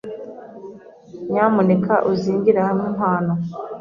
Nyamuneka uzingire hamwe impano.